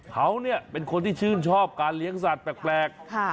เขาเนี่ยเป็นคนที่ชื่นชอบการเลี้ยงสัตว์แปลก